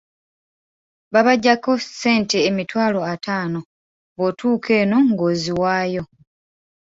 Babaggyako ssente emitwalo ataano, bw’otuuka eno ng’oziwaayo.